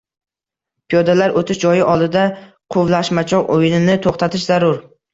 Piyodalar o‘tish joyi oldida quvlashmachoq o‘yinini to‘xtatish zarur